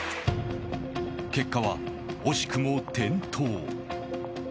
結果は惜しくも転倒。